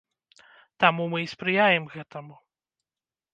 Таму мы і спрыяем гэтаму.